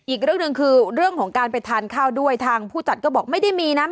อีกเรื่องหนึ่งคือเรื่องของการไปทานข้าวด้วยทางผู้จัดก็บอกไม่ได้มีนะ